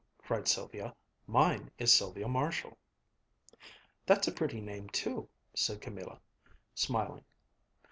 cried Sylvia. "Mine is Sylvia Marshall." "That's a pretty name too," said Camilla, smiling.